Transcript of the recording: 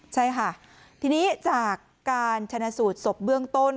ใช่ค่ะทีนี้จากการชนะสูตรศพเบื้องต้น